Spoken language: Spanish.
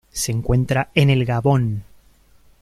Se encuentra en el Gabón.